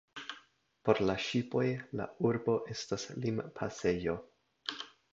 Por la ŝipoj la urbo estas limpasejo.